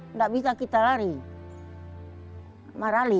tidak bisa kita lari marali